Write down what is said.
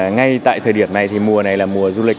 ngay tại thời điểm này thì mùa này là mùa du lịch